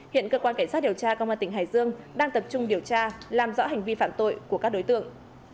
hiện cơ quan cảnh sát điều tra công an tỉnh hải dương đang tập trung điều tra làm rõ hành vi phạm tội của các đối tượng